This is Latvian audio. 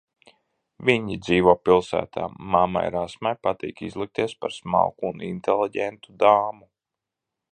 Viņi dzīvo pilsētā, mammai Rasmai patīk izlikties par smalku un inteliģentu dāmu.